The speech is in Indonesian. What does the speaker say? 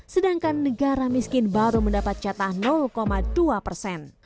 sedangkan negara miskin baru mendapat jatah dua persen